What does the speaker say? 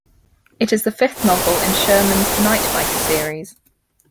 It is the fifth novel in Sherman's Night Fighter Series.